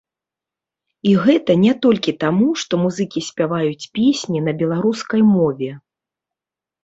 І гэта не толькі таму што музыкі спяваюць песні на беларускай мове.